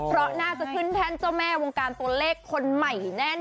เพราะน่าจะขึ้นแท่นเจ้าแม่วงการตัวเลขคนใหม่แน่น